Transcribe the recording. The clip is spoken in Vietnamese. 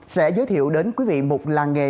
sẽ giới thiệu đến quý vị một làng nghề